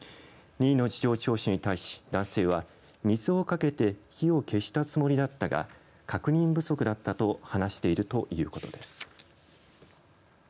任意の事情聴取に対し男性は水をかけて火を消したつもりだったが確認不足だったと話しているということです。